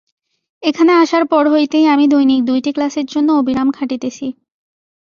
এখানে আসার পর হইতেই আমি দৈনিক দুইটি ক্লাসের জন্য অবিরাম খাটিতেছি।